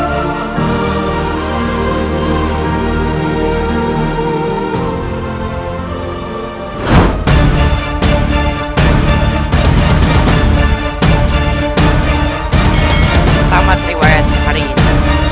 pertama teriwayat hari ini